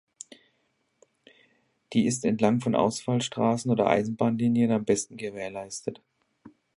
Die ist entlang von Ausfallstraßen oder Eisenbahnlinien am besten gewährleistet.